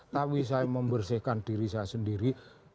tapi saya membersihkan diri saya sendiri